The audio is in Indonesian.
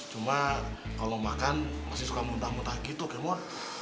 cuma kalau makan masih suka muntah muntah gitu semua